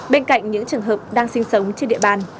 bên cạnh những trường hợp đang sinh sống trên địa bàn